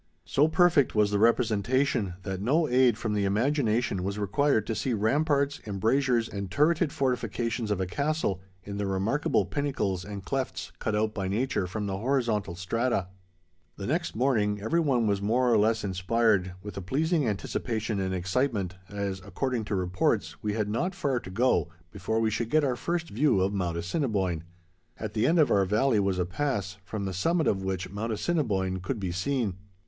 So perfect was the representation, that no aid from the imagination was required to see ramparts, embrasures, and turreted fortifications of a castle, in the remarkable pinnacles and clefts cut out by nature from the horizontal strata. The next morning, every one was more or less inspired with a pleasing anticipation and excitement, as, according to reports, we had not far to go before we should get our first view of Mount Assiniboine. At the end of our valley was a pass, from the summit of which Mount Assiniboine could be seen.